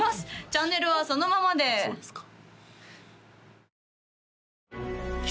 チャンネルはそのままでそうですか